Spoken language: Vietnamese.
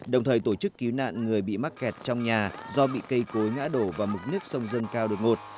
đồng thời tổ chức cứu nạn người bị mắc kẹt trong nhà do bị cây cối ngã đổ và mực nước sông dâng cao đột ngột